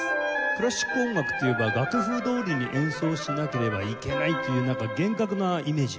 クラシック音楽といえば楽譜どおりに演奏しなければいけないという厳格なイメージありません？